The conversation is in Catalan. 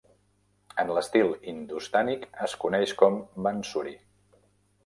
En l'estil hindustànic, es coneix com Bansuri.